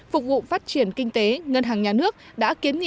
phục vụ phát triển kinh tế ngân hàng nhà nước đã kiến nghị